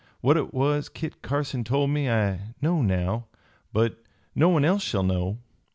What it was Kit Carson told me I know now, but no one else shall know.